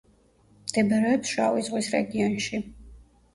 მდებარეობს შავი ზღვის რეგიონში.